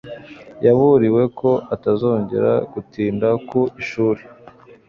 Yaburiwe ko atazongera gutinda ku ishuri.